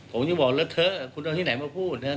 ผมจะบอกแล้วเถอะคุณเอาที่ไหนมาพูด